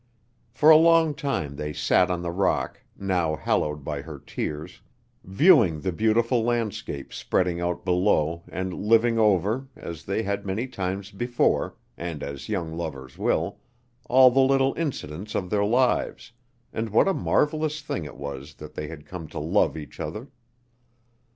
For a long time they sat on the rock, now hallowed by her tears, viewing the beautiful landscape spreading out below and living over, as they had many times before, and as young lovers will, all the little incidents of their lives, and what a marvelous thing it was that they had come to love each other.